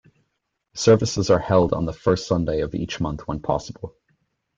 Services are held on the first Sunday of each month when possible.